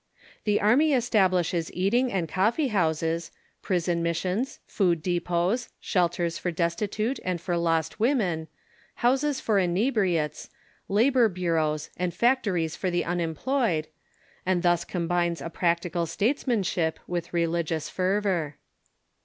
The Array establishes eating and coffee houses, pris on missions, food depots, shelters for destitute and for lost woraen, houses for inebriates, labor bureaus, and factories for the unemployed, and thus combines a practical statesmanship with religious fervor.